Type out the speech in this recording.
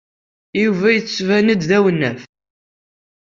Yuba yettban-d d awnaf.